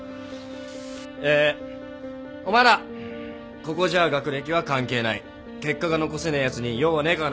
えお前らここじゃあ学歴は関係ない結果が残せねえやつに用はねえからな